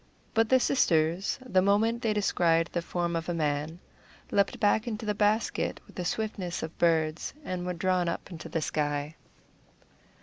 But the sisters, the moment they descried the form of a man, leaped back into the basket with the swiftness of birds, and were drawn up into the sky.